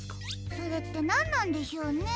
それってなんなんでしょうね？